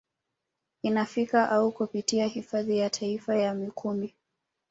Inafika au kupitia hifadhi ya taifa ya Mikumi